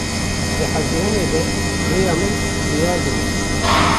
Di hezîranê de rêya min diyar dibe.